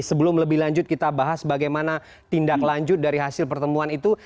sebelum lebih lanjut kita bahas bagaimana tindak lanjut dari hasil pertemuan itu